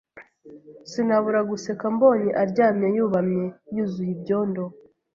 Sinabura guseka mbonye aryamye yubamye yuzuye ibyondo.